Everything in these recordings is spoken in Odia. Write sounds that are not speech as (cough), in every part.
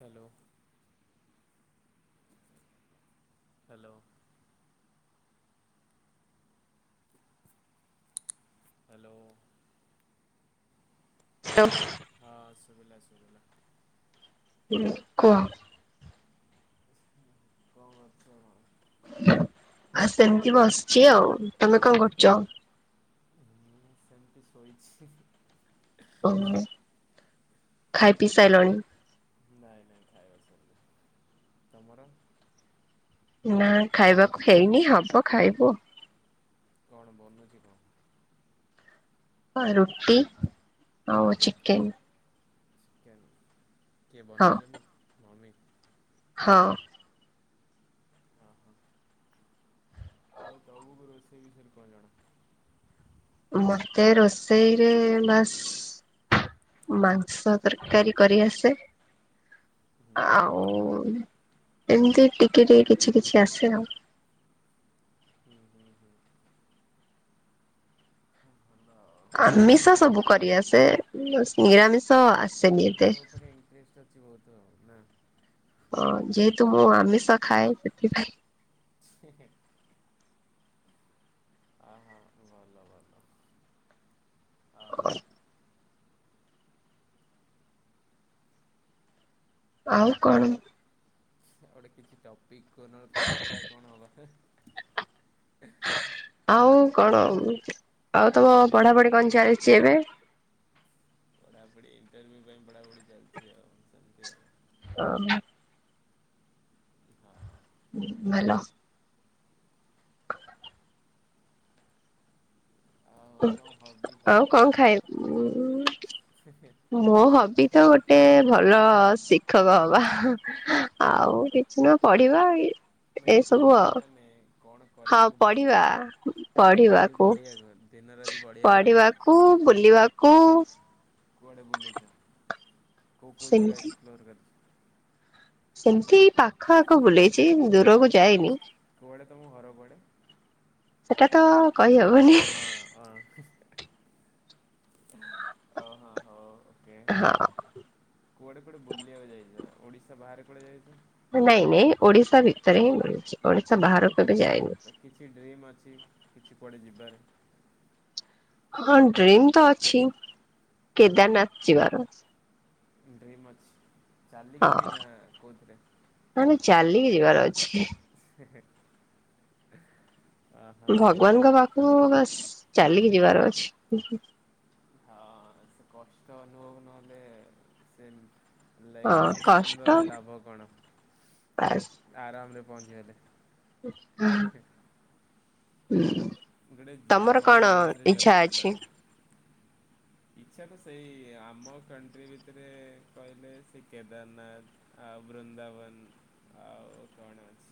ହ୍ୟାଲୋ। ହ୍ୟାଲୋ। ହ୍ୟାଲୋ। ସବୁଚି (unintelligible) ହଁ ଶୁଭିଲା ଶୁଭିଲା। ହୁଁ କୁହ। କଣ କରୁଛ? ଆଉ ସେମିତି ବସିଛି ଆଉ। ତମେ କଣ କରୁଛ? ମୁଁ ସେମିତି ଶୋଇଛି। ହୁଁ ଖାଇ ପିଇ ସାରିଲଣି? ନାଇଁ ନାଇଁ ଖାଇବା ସରିନି। ତମର? ନା ଖାଇବାକୁ ହେଇନି ହବ ଖାଇବୁ। କଣ ବନୁଛିି କଣ? ରୁଟି ଆଉ ଚିକେନ୍। ଚିକେନ୍ କିଏ ହଁ ବନଉଛନ୍ତି? ମମି। ହଁ। ଓହୋ ଆଉ ତମକୁ ରୋଷେଇ ବିଷୟରେ କଣ ଜଣା? ମତେ ରୋଷେଇରେ ବାସ୍ ମାଂସ ତରକାରୀ କରି ଆସେ। ହୁଁ ଆଉ ଏମତି ଟିକେ ଟିକେ କିଛି କିଛି ଆସେ ଆଉ। ହୁଁ ହୁଁ ହୁଁ। ଭଲ ଆଉ। ଆମିଷ ସବୁ କରି ଆସେ ବାସ୍ ନିରାମିଷ ଆସନି ଏତେ। ଗଟେ ଇଣ୍ଟ୍ରେଷ୍ଟ ତ କିଛିି ବହୁତ ନା। ଓ ଯେହେତୁ ମୁଁ ଆମିଷ ଖାଏ ସେଥିପାଇଁ। ହେ ହେଁ। ଆ ହଁ ଭଲ ଭଲ। ଆଉ। ଆଉ କଣ? ଗୋଟେ କିଛି ଟପିକ କ କଥା ଟା କଣ ହବ? ଆଉ କଣ ଆଉ ତମ ପଢାପଢି କଣ ଚାଲିଛି ଏବେ? ପଢାପଢି ଇଣ୍ଟର୍ୟୁ ପାଇଁ ପଢାପଢି ଚାଲିଛି ଆଉ ସେମିତ ଆଉ। ଓହୋ। ହଁ। ଭଲ। ଆଉ ତମ ହବି ଆଉ କଣ ଖାଇ? ସେଖ ମୋ ହବି ତ ଗୋଟେ ଭଲ ଶିକ ଶିକ୍ଷକ ହବା ଆଉ କିଛି ନୁହେଁ ପଢିବା। ନାଇଁ ଏସବୁ ହବି ଆଉ ମାନେ କଣ ହଁ କରିବାକୁ ଭଲ ପଢିବା ଲାଗେ ଖାଲି ପଢିବାକୁ ପଢିବାକୁ ଦିନ ରାତି ପଢିବାକୁ ଭଲ ଲାଗେ। କୁ ବୁଲିବାକୁ କୁଆଡ଼େ ବୁଲଲେଛ କେଉଁ କେଉ ଜାଗା ଏକ୍ସପ୍ଲୋର କରଛ? ସେମତି ପାଖ ଆଖ ବୁଲେଇଛି ଦୂରକୁ ଯାଇନି। କୁଆଡ଼େ ତମ ଘର ପଡ଼େ? ସେଇଟା ତ କହିହବନି ହଁ ହ। ଓ ହୋ ହୋଉ ଓକେ। ହଁ କୁଆଡେ କୁଆଡେ ବୁଲିବାକୁ ଯାଇଚ ଓଡ଼ିଶା ବାହାରେ କୁଆଡେ ଯାଇଚ? ନାଇଁ ନାଇଁ ଓଡିଶା ଭିତରେ ହିଁ ବୁଲିଚି ଓଡିଶା ବାହାରକୁ କେବେ ଯାଇନି। କିଛି ଡ୍ରିମ୍ ଅଛି କିଛି କୋଆଡ଼େ ଯିବାରେ? ହଁ ଡ୍ରିମ ତ ଅଛି କେଦାରନାଥ ଯିବାର। ଡ୍ରିମ୍ ଅଛି ଚାଲିକି ନା କେଉଥିରେ? ନା ଆମେ ଚାଲିକି ଯିବାର ଅଛି। ଏ ହ ଭଗବାନଙ୍କ ପାଖକୁ ବାସ ଚାଲିକି ଯିବାର ଅଛି। ହଁ ସେ କଷ୍ଟ ଅନୁଭବ ନହେଲେ ସେ ଲାଇକ୍ ହଁ ମିଶନ କଷ୍ଟ ର ଲାଭ କଣ ବାସ୍ ଆରାମରେ ପହଞ୍ଚିଗଲେ। ହୁଁ। ଗୋଟେ ତମର କଣ ଭାବନା ଜୋସରେ ଇଚ୍ଛା ଚାଲିବ ଅଛି? ନା। ଇଚ୍ଛା ତ ସେଇ ଆମ କଣ୍ଟ୍ରି ଭିତରେ କହିଲେ ସେଇ କେଦାରନାଥ। ଆଉ ବୃନ୍ଦାବନ ଆଉ କଣ ଅଛି।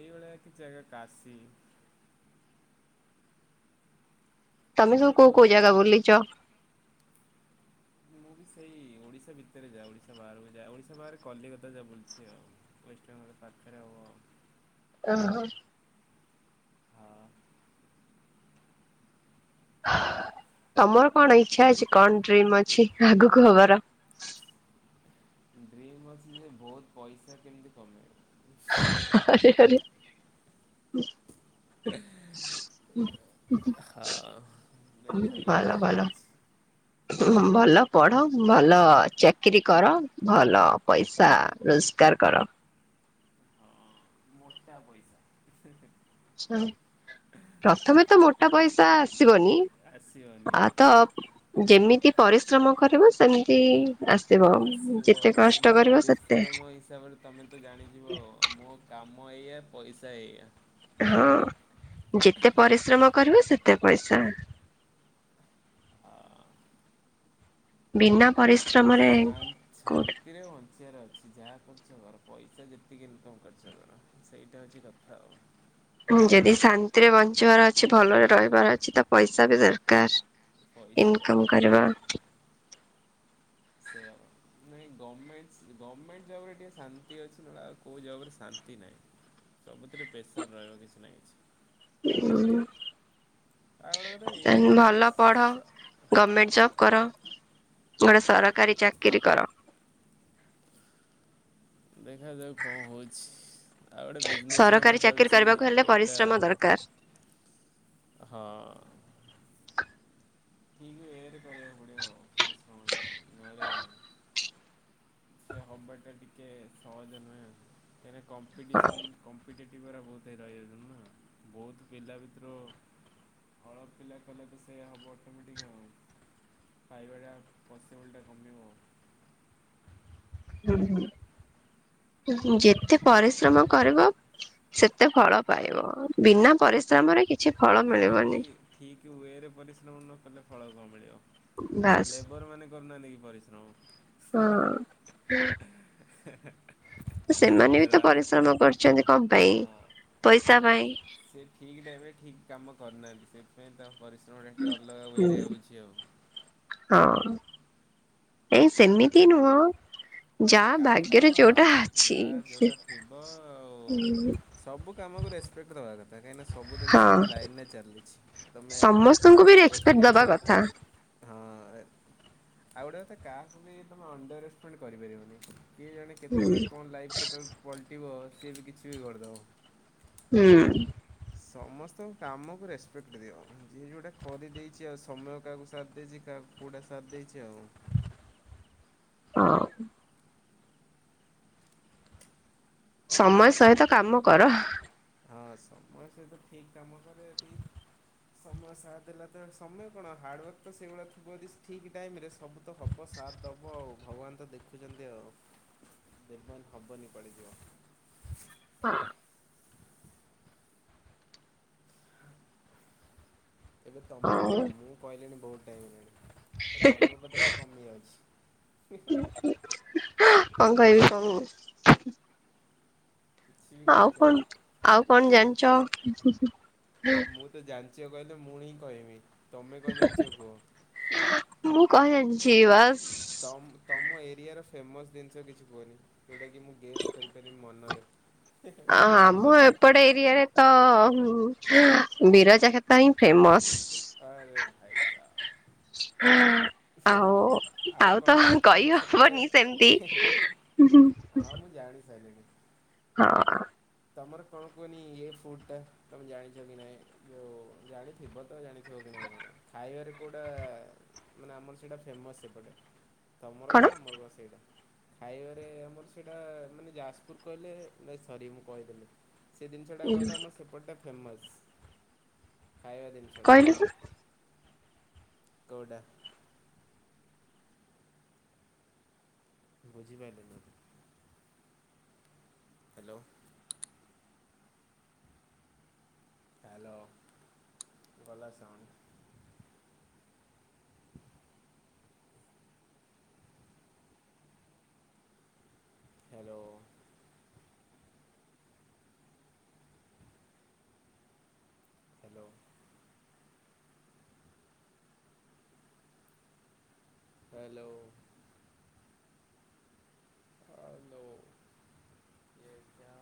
ଏଇଭଳିଆ କିଛି ଜାଗା କାଶୀ ତମେ ସବ କଉ କୋଉ ଜାଗା ବୁଲିଚ? ମୁଁ ବି ସେଇ ଓଡିଶା ଭିତରେ ଯାଏ ଓଡିଶା ବାହହାରକୁ ଯାଏ ଓଡିଶା ବାହାରେ କଲିକତା ଯା ବୁଲଚି ଆଉ। ରେସଟୁରାଣ୍ଡ ମୋର ପାଖରେ ହବ। ଓହୋ। ଆ ତମର କଣ ଇଛା ଅଛି କଣ ଡ୍ରିମ ଅଛି ଆଗକୁ ହବାର? ଡ୍ରିମ୍ ମଛି ଜେ ବହୁତ ପଇସା କେମିତି କମେଇବ। ଆରେ ଆରେ ହଁ ହୋଉ ଦେଖାଯାଉ ଭଲ କଣ ଭଲ ହଉଚି। ଭଲ ପଢ଼ ଭଲ ଚାକିରୀ କର ଭଲ ପଇସା ରୋଜଗାର କର। ହଁ ମୋଟା ପଇସା। ଆଛା ପ୍ରଥମେ ତ ମୋଟା ପଇସା ଆସିବନି। ଆସିବନି ଆ ହଁ। ତ ଯେମିତି ପରିଶ୍ରମ କରିବ ସେମିତି ଆସିବ ଆସିବ ଯେତେ କଷ୍ଟ ସେମିତି କରିବ ସେତେ ପରିଶ୍ରମ ହିସାବରେ ତମେ ତ ଜାଣିଯିବ ଆଉ ମୋ କାମ ଏଇଆ ପଇସା ଏଇଆ। ହଁ ଯେତେ ପରିଶ୍ରମ କରିବ ସେତେ ପଇସା। ଅଁ। ବିନା ପରିଶ୍ରମରେ ଶାନ୍ତ କୋଉଠି ଶାନ୍ତିରେ ବଞ୍ଚିବାର ଅଛି ଯାହା କରୁଚ କଁର ପଇସା ଯେତିକି ଇନକମ୍ କରିୁଚ କର ସେଇଟା ହେଉଛି କଥା ଆଉ। ଯଦି ଶାନ୍ତିରେ ବଞ୍ଚିବାର ଅଛି ଭଲରେ ରହିବାର ଅଛି ତ ପଇସା ବି ଦରକାର। ପଇସା ଇନକମ ଦରକାର କରିବା ଠିକ। ସେୟା ପା କୁ କହିଲି ନାଇଁ ଗମେଣ୍ଟସ ଗମେଣ୍ଟ ଜବରେ ଟିକେ ଶାନ୍ତି ଅଛି ନହେଲେ ଆଉ କୋଉଁ ଜବରେ ଶାନ୍ତି ନାହିଁ। ସବୁଥିରେ ପ୍ରେସର ରହିବ କିଛି ନାହିଁ କିଛି। ହୁଁ। ଆଉ ଗୋଟେ କଥା ଅଁ ଇଏ ଭଲ ପଢ ସ- ଗର୍ମେଣ୍ଟ ଜବ୍ ହଁ କର। ଗୋଟେ ସରକାରୀ ଚାକିରିୀ କର। ଦେଖାଯାଉ କଣ ହେଉଛି। ଆଉ ଗୋଟେ ବିଜନେସ ବି ସରକାରୀ ଆମର ଚାକିରି ଚାଲିଛି କରିବାକୁ ହେଲେ ଏଇଟା ପରିଶ୍ରମ ଦରକାର ହଁ। ଠିକ ଉଏ ରେ ରେ କରିବାକୁ ପଡିିବ ଆଉ ପରିଶ୍ରମଟା ନହେଲେ ସେ ହେବାଟା ଟିକେ ସହଜ ନୁହେଁ କାହିଁକିନା କମ୍ପିଟିସନ୍ କମ୍ପିଟେଟିଭ୍ ଗୁରା ବହୁତ ହେଇ ରହିଯାଉଚନ୍ତି ନା ବହୁତ ପିଲା ଭିତରୁ ଅଳ ପିଲା କଲେବି ସେଇଆ ହବ ଅଟୋମେଟିକ୍ ଆଉ। ପାଇବାଟା ପସିବୁଲଟା କମିମ ହୁଁ ଯେତେ ପରିଶ୍ରମ କରିବ ସେତେ ଫଳ ପାଇବ ବିନା ପରିଶ୍ରମରେ କି ଠିକ୍ ଠିକ ୱରେ ପରିଶ୍ରମ ନ କଲେ ଫଳ କ ମିଳିବ। ବାସ୍। ଲେବର ମାନେ କରୁନାହାନ୍ତି କି ପରିଶ୍ରମ ହେଁ ହେଁ ହଁ ହେଁ। ହେଁ ହେଁ ହେଁ ସେମାନେ ବି ତ ପରିଶ୍ରମ କରୁଛନ୍ତି କ ପାଇଁ? ହଁ ପଇସା ରା ପାଇଁ। ସେ ଠିକ୍ ଟାଇମ ରେ ଠିକ୍ କାମ କରିନାହାଁନ୍ତି ସେଥିପାଇଁ ତା ପରିଶ୍ରମଟା ଟିକେ ଅଲଗା ୱେ ହୁଁ ରେ ହେଉଛି ଆଉ। ହଁ ଏ ସେମୀତି ନୁହଁ ନା ଯାହା କାମ ଭାଗ୍ୟରେ ହଁ ଯୋଉଟା ଅଛି। ଯା ଯୋଉଟା ଥିବ ଆଉ ସବୁ କାମକୁ ରେସପେକ୍ଟ ଦେବା କଥା କାହିଁନା ସ ସବୁ ଜିନିଷ ହଁ ଲାଇନରେ ଚାଲିଛି ତମେ ଯଦି ସମସ୍ତଙ୍କୁ ବି ଗୋଟେ ରେସପେକ୍ଟ ଦବା ଜିନିଷକୁ କଥା। ହଁ ଆଉଗୋଟେ କଥା କାହକୁବି ତମେ ଅଣ୍ଡରେଷ୍ଟମ କରିପାରିବନି କିଏ ଜଣେ ହୁଁ କେତେବେଳେ କଣ ଲାଇଫ୍ କେତେବେଳେ ପଲଟିବ ସିଏ ବି କିଛି ବି କଡଦବ। ହୁଁ। ସମସ୍ତଙ୍କୁ କାମକୁ ରେସ୍ପେକ୍ଟ ଦିଅ ଯିଏ ଯେଉଁଟା କରିଦେଇଚି ଆଉ ସମୟ କାହାକୁ ସାଥ ଦେଇଚି କାହାକୁ ପୁଟା ସାଥ ଦେଇଚି ଆଉ। ହଁ। ସମୟ ସହିତ କାମ କର ହଁ ସମୟ ସହିତ ଠିକ କାମ କରେ ଏଠି ସମୟ ସାଥ ଦେଲା ତ ସମୟ କଣ ହାର୍ଡ଼ୱାର୍କ ତ ସେଇଭଳିଆ ଥିବ ଠିକ୍ ଟାଇମରେ ସବୁ ତ ହବ ସାଥ ଦବ ଆଉ ଭଗବାନ ତ ଦେଖୁଛନ୍ତି ଆଉ ଦେବନ୍ ହବନି ପଡ଼ିଯିବ। ହିଁ। ହ ଏବେ ତୁମେ ହଁ କୁହ ମୁଁ କହିଲିଣି ବହୁତ ଟାଇମ୍ ହେଲାଣି? ଏଇଟା ଅନୁପାତ ଟା କମି ଆଉଛି ହିଁ ହିଁ। କ କହିବି କନୁ? କିଛି ବି ଆଉ କଣ କହିଚାଲ ଆଉ କଣ ଜାଣଚ? ମୁଁ ତ ଜାଣିଚ କହିଲେ ମୁୁ ହିଁ କହିବି ତମେ କଣ ଜାଣିଚ କୁହ? ମୁଁ କହ ଜାନଚି ବାସ ତମ୍ ତମ ଏରିଆର ଫେମସ୍ ଜିନିଷ କିଛି କୁହନି? ଯେଉଁଟାକି ମୁଁ ଗେସ୍ କରିପାରିବି ମନରେ। ଅ କୋଉଠୁ ଆମ ତମେ ଏପଟେ ଏରିଆରେ ତ ବିରଜା ଖେତ ହିଁ ଫେମସ। ଆରେ ଭାଇ ସାହାବ ହଁ। ଆଉ ଆଉ ତ କଣ ତମ ସେପଟେ କହିହବନି ସେମିତି। ହଁ ମୁଁ ଜାଣି ସାଇଲିଣି। ହଁ। ତମର କଣ କୁହନି ଏ ଫୁଡ ଟା ତମେ ଜାଣିଛ କି ନାଇଁ ଯୋଉ ଜାଣିଥିବ ତ ଜାଣି ଥିବ କି ନାହି କଣ ଖାଇବାରେ କୋଉଟା ମାନେ ଆମର ସେଇଟା ଫେମସ୍ ସେପଟେ ତମର କଣ ଆମର କଣ ସେଇଟା। ଖାଇବାରେ ଆମର ସେଇଟା ମାନେ ଯାଜପୁର କହିଲେ ନାଇ ସରି ମୁଁ କହିଦେଲି। ସେ ଜିନିଷଟା କହିଲେ ଆମର ସେପଟଟା ଫେମସ୍ ଖାଇବା ଜିନି ସଟା କହିଲୁ? କୋଉଟା? ବୁଝିପାଇଲିନି ହ୍ୟାଲୋ। ହ୍ୟାଲୋ ଗଲା sound. Hello. Hello. Hello. Hello.